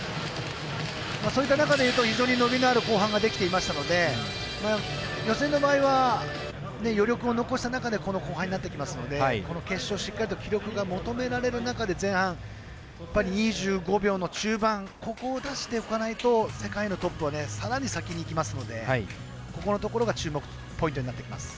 そういった中でいうと非常に伸びのあるできていましたので予選の場合は余力を残した中でのこの後半になってきますので決勝、しっかりと記録が求められる中で前半、２５秒の中盤ここを出しておかないと世界のトップはさらに先にいきますのでここのところが注目ポイントになります。